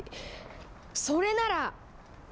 それなら！